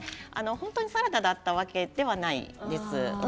本当にサラダだったわけじゃないんです。